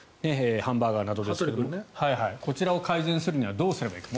ハンバーガーなどですがこちらを改善するにはどうすればいいか。